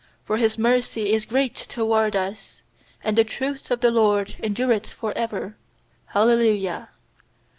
2 For His mercy is great toward us; And the truth of the LORD en dureth for ever. Hallelujah.